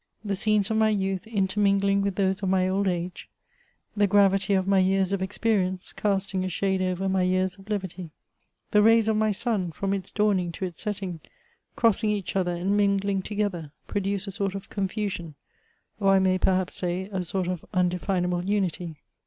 The scenes of my youth intermingling with those of my old age ;— the gravity of my years of experience, casting a shade over my years of levity ;— the rays of my sun, from its dawning to its setting, crossing each other and mingling together, produce a sort of confusion, or I may perhaps say, a sort of unde finable unity.